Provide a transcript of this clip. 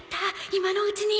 今のうちに